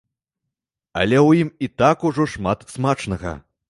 Але ў ім і так ужо шмат смачнага!